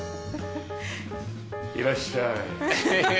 いらっしゃい。